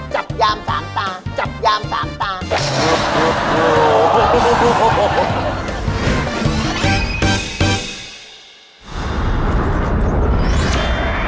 จับยามสามตาจับยามสามตา